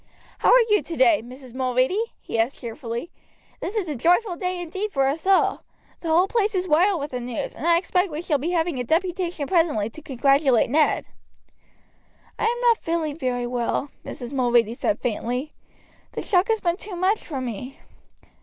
"How are you today, Mrs. Mulready?" he asked cheerfully. "This is a joyful day indeed for us all. The whole place is wild with the news, and I expect we shall be having a deputation presently to congratulate Ned." "I am not feeling very well," Mrs. Mulready said faintly. "The shock has been too much for me."